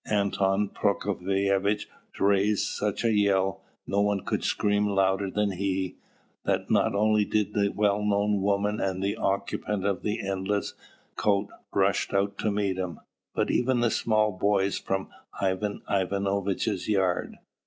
Anton Prokofievitch raised such a yell, no one could scream louder than he, that not only did the well known woman and the occupant of the endless coat rush out to meet him, but even the small boys from Ivan Ivanovitch's yard.